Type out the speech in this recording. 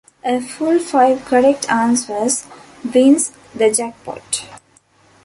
A full five correct answers wins the jackpot.